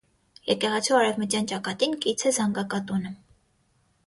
Եկեղեցու արևմտյան ճակատին կից է զանգակատունը։